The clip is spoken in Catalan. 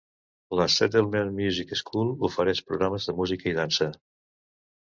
La Settlement Music School ofereix programes de música i dansa.